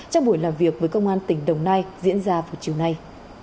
trong buổi làm việc với công an tỉnh đồng nai diễn ra vào chiều nay